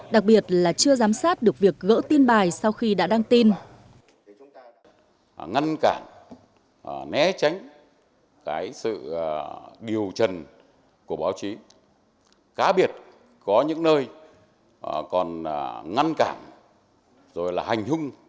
đặc biệt là chưa giám sát được việc gỡ tin bài sau khi đã đăng tin